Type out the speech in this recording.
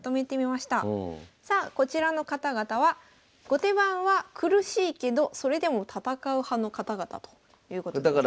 さあこちらの方々は後手番は苦しいけどそれでも戦う派の方々ということになります。